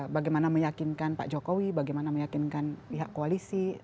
bagaimana meyakinkan pak jokowi bagaimana meyakinkan pihak koalisi